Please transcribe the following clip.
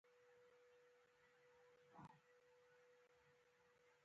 د ژوند شپږ اخلاقي اصول: